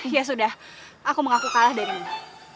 ya sudah aku mengaku kalah darimu